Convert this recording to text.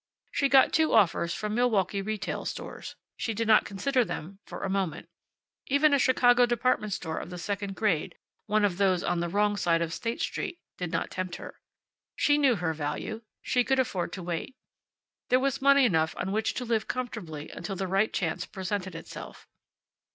She got two offers from Milwaukee retail stores. She did not consider them for a moment. Even a Chicago department store of the second grade (one of those on the wrong side of State Street) did not tempt her. She knew her value. She could afford to wait. There was money enough on which to live comfortably until the right chance presented itself.